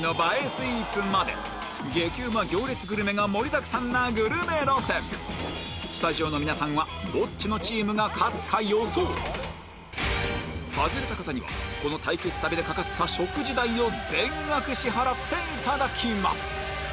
スイーツまで激うま行列グルメが盛りだくさんなグルメ路線スタジオの皆さんはどっちのチームが勝つか予想外れた方にはこの対決旅でかかった食事代を全額支払っていただきます